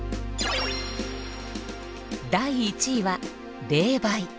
第１位は「冷媒」。